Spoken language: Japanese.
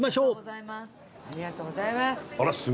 ありがとうございます。